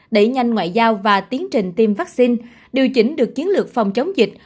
đẩy nhanh ngoại giao và tiến trình tiêm vaccine điều chỉnh được chiến lược phòng chống dịch